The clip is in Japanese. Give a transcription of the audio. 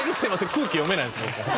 空気読めないんです僕。